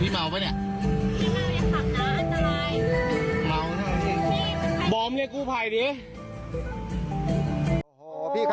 เมาเท่านี้บอมเรียกกูภัยดี